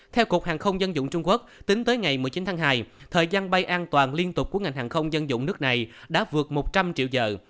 theo cục hàng không dân dụng trung quốc tính tới ngày một mươi chín tháng hai thời gian bay an toàn liên tục của ngành hàng không dân dụng nước này đã vượt một trăm linh triệu giờ